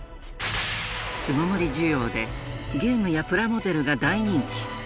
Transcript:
巣ごもり需要でゲームやプラモデルが大人気。